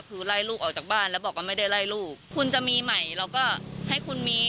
คือไล่ลูกออกจากบ้านแล้วบอกว่าไม่ได้ไล่ลูกคุณจะมีใหม่เราก็ให้คุณมี